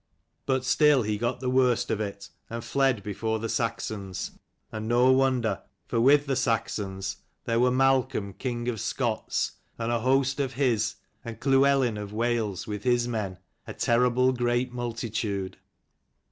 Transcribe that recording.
But still he got the worst of it, and fled before the Saxons: and no wonder, for with the Saxons there were 384 Malcolm king of Scots and a host of his, and Llewelyn of Wales with his men, a terrible great multitude.